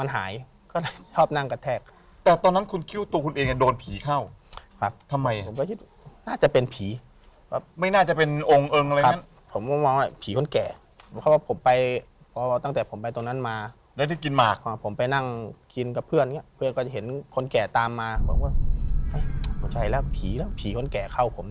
ในใจคุณตอนนั้นที่เห็นเด็กคนนั้นเป็นเด็กใช่ไหมครับ